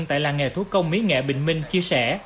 tại làng nghề thủ công mỹ nghệ bình minh chia sẻ